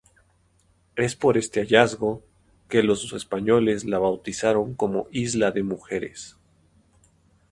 Es por este hallazgo que los españoles la bautizaron como Isla de Mujeres.